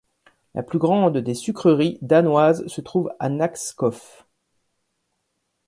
La plus grande des sucreries danoises se trouve à Nakskov.